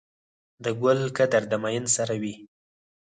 د ګل قدر د ميئن سره وي.